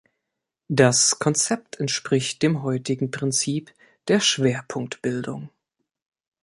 Das Konzept entspricht dem heutigen Prinzip der Schwerpunktbildung.